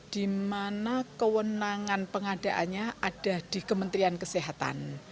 di mana kewenangan pengadaannya ada di kementerian kesehatan